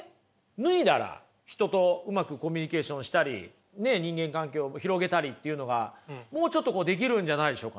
脱いだら人とうまくコミュニケーションしたり人間関係を広げたりっていうのがもうちょっとできるんじゃないでしょうか。